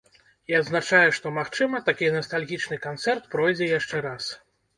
І адзначае, што магчыма, такі настальгічны канцэрт пройдзе яшчэ раз.